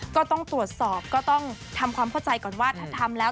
ก็ต้องตรวจสอบก็ต้องทำความเข้าใจก่อนว่าถ้าทำแล้ว